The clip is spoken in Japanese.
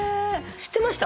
知ってました？